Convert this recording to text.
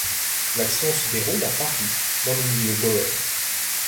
L'action se déroule à Paris, dans le milieu bohème.